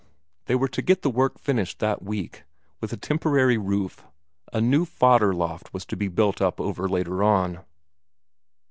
They were to get the work finished that week, with a temporary roof a new fodder loft was to be built up over later on.